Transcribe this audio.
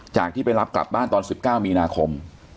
จากที่ไปรับกลับบ้านตอน๑๙มีนาคม